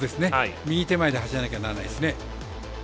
右手前で走らなければならないですね。